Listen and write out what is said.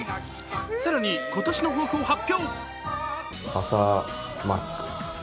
更に今年の抱負を発表。